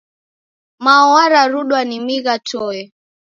Mao wararudwa ni migha toe.